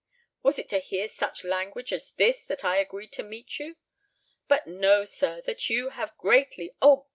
Was it to hear such language as this that I agreed to meet you? But know, sir, that you have greatly—oh!